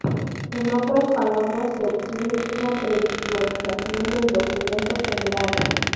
En otras palabras se obtiene una previsualización del documento generado.